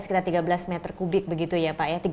sekitar tiga belas meter kubik begitu ya pak ya